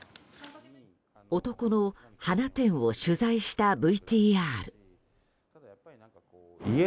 男の花店を取材したＶＴＲ。